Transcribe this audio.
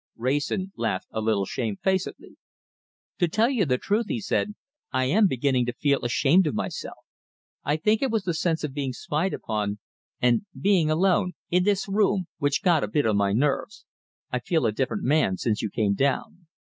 Wrayson laughed a little shamefacedly. "To tell you the truth," he said, "I am beginning to feel ashamed of myself. I think it was the sense of being spied upon, and being alone in this room which got a bit on my nerves. I feel a different man since you came down."